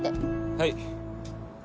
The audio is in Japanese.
はい。